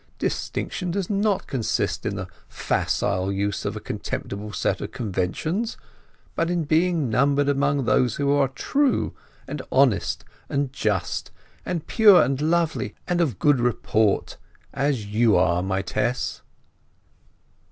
Distinction does not consist in the facile use of a contemptible set of conventions, but in being numbered among those who are true, and honest, and just, and pure, and lovely, and of good report—as you are, my Tess."